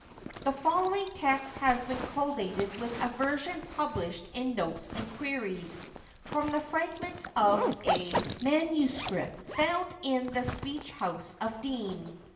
The following text has been collated with a version published in Notes and Queries, from the 'fragments of a MS. found in the speech house of Dean.